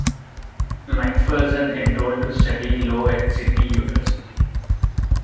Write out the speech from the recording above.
Macpherson enrolled to study law at Sydney University.